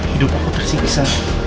hidup aku tersiksa